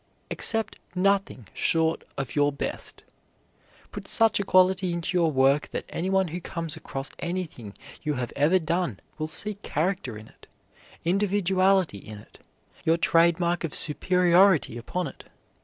Accept nothing short of your best. Put such a quality into your work that anyone who comes across anything you have ever done will see character in it, individuality in it, your trade mark of superiority upon it.